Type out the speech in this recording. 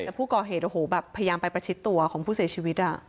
แต่ผู้ก่อเหตุโอ้โหแบบพยายามไปประชิดตัวของผู้เสียชีวิต